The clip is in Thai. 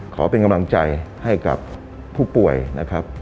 ขอเป็นกำลังใจให้กับผู้ป่วยนะครับ